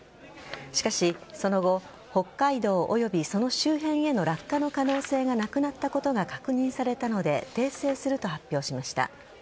しかし、その後北海道及びその周辺への落下の可能性がなくなったことが確認されたので訂正すると発表しました。